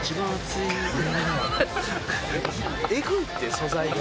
エグいって素材が。